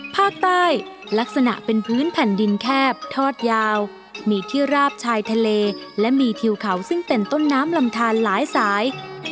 ภาคใต้ลักษณะเป็นพื้นแผ่นดินแคบทอดยาวมีที่ราบชายทะเลและมีทิวเขาซึ่งเป็นต้นน้ำลำทานหลายสาย